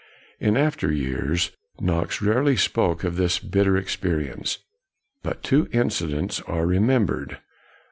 In after years, Knox rarely spoke of this bit ter experience. But two incidents are re membered.